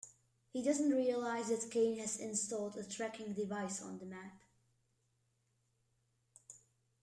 He doesn't realize that Kane has installed a tracking device on the map.